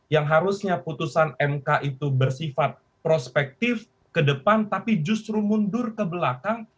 yang harusnya putusan mk itu bersifat prospektif ke depan tapi justru mundur ke belakang